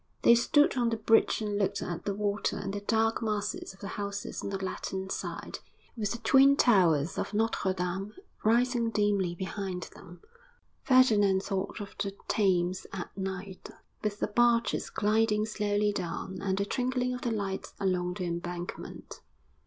II They stood on the bridge and looked at the water and the dark masses of the houses on the Latin side, with the twin towers of Notre Dame rising dimly behind them. Ferdinand thought of the Thames at night, with the barges gliding slowly down, and the twinkling of the lights along the Embankment.